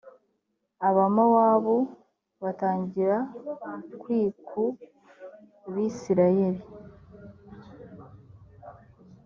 abamowabu batangira kwiku bisirayeli